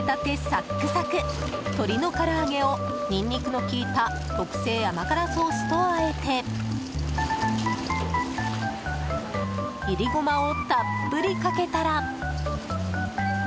サックサク鶏のから揚げをニンニクの利いた特製甘辛ソースとあえていりゴマをたっぷりかけたら。